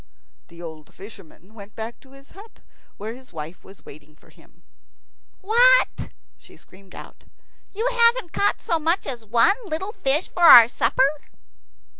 The old fisherman went back to his hut, where his wife was waiting for him. "What!" she screamed out; "you haven't caught so much as one little fish for our supper?"